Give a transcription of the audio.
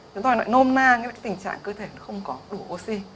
chúng ta nói nôm na cái tình trạng cơ thể không có đủ oxy